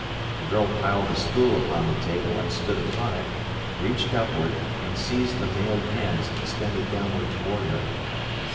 The girl piled a stool upon the table and stood upon it, reached upward, and seized the mailed hands extended downward toward her.